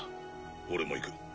俺も行く。